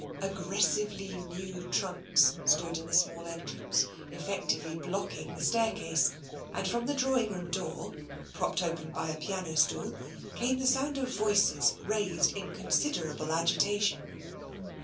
Aggressively new trunks stood in the small entrance. TENSION 199 effectively blocking the staircase, and from the draw ing room door, propped open by a piano stool, came the sound of voices raised in considerable agitation.